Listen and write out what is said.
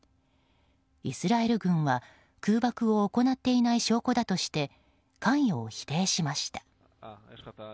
イスラエル軍は空爆を行っていない証拠だとして関与を否定しました。